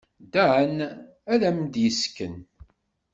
Dan ad am-d-yessken.